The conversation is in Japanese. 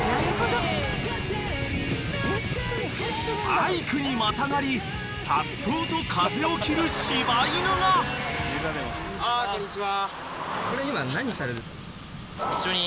［バイクにまたがりさっそうと風を切る柴犬が］こんにちは。